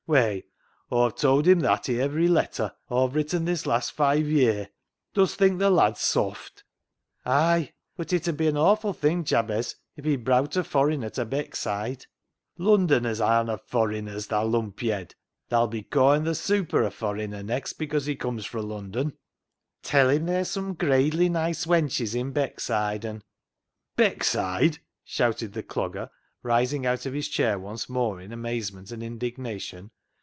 Whey, Aw've towd him that i' ivery letter Aw've written this last five ye'r. Dust think th' lad's sawft ?"" Hay, bud it 'ud be an awful thing, Jabez, if he browt a forriner ta Beckside." " Lundoners ar'na forriners, tha lump yed. Thaa'll be cawin' th' * super' a forriner next, 'cause he cums fro' Lundon." " Tell him theer's sum gradely nice wenches i' Beckside, an' "—" Beckside 1 " shouted the Clogger, rising out of his chair once more in amazement and indignation.